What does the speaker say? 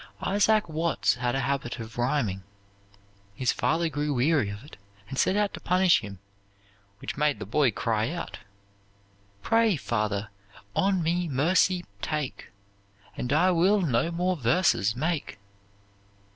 Isaac Watts had a habit of rhyming. His father grew weary of it, and set out to punish him, which made the boy cry out: "Pray, father, on me mercy take, And I will no more verses make."